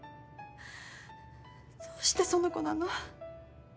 どうしてその子なの？